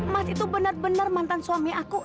mas itu benar benar mantan suami aku